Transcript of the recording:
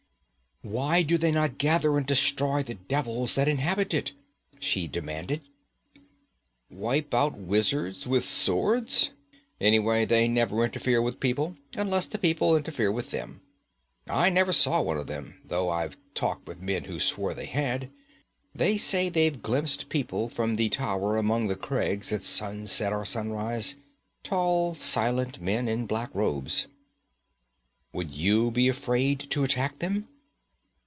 'Why do they not gather and destroy the devils that inhabit it?' she demanded. 'Wipe out wizards with swords? Anyway, they never interfere with people, unless the people interfere with them. I never saw one of them, though I've talked with men who swore they had. They say they've glimpsed people from the tower among the crags at sunset or sunrise tall, silent men in black robes.' 'Would you be afraid to attack them?'